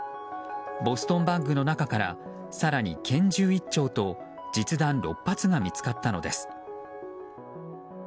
ボストンバッグの中から更に拳銃１丁と実弾６発が見つかったのです。